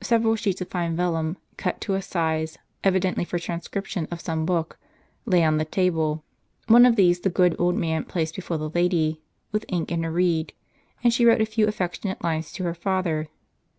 Several sheets of fine vellum, cut to a size, evidently for transcription of some book, lay on the table. One of these the good old man placed before the lady, with ink and a reed, and she wrote a few affectionate lines to her father.